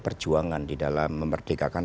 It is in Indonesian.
perjuangan di dalam memerdekakan